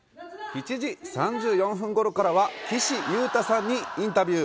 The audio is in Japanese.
７時３４分ごろからは、岸優太さんにインタビュー。